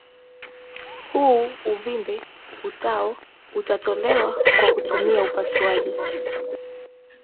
huu uvimbe utao utatolewa kwa kutumia upasuaji